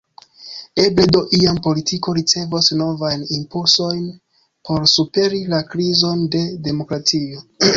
Eble do iam politiko ricevos novajn impulsojn por superi la krizon de demokratio.